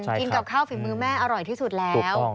กินกับข้าวฝีมือแม่อร่อยที่สุดแล้ว